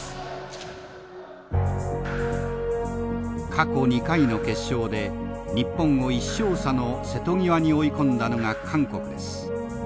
過去２回の決勝で日本を１勝差の瀬戸際に追い込んだのが韓国です。